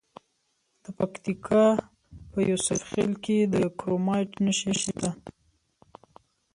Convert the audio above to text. د پکتیکا په یوسف خیل کې د کرومایټ نښې شته.